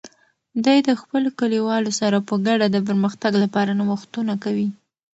دوی د خپلو کلیوالو سره په ګډه د پرمختګ لپاره نوښتونه کوي.